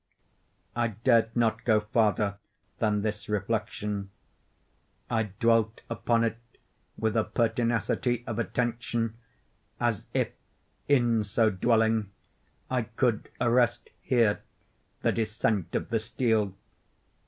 I dared not go farther than this reflection. I dwelt upon it with a pertinacity of attention—as if, in so dwelling, I could arrest here the descent of the steel.